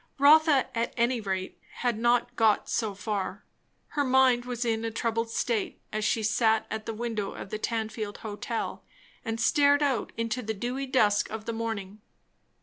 Rotha at any rate had not got so far. Her mind was in a troubled state, as she sat at the window of the Tanfield hotel and stared out into the dewy dusk of the morning.